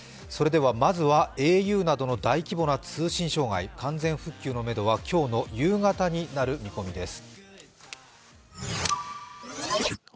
まずはａｕなどの大規模な通信障害完全復旧のめどは、今日の夕方になる見込みです。